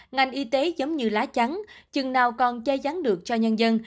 ngành y tế giống như lá trắng chừng nào còn che chắn được cho nhân dân